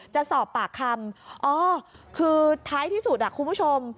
จะสอบปากคำอ๋อคือท้ายที่สุดคุณผู้ชม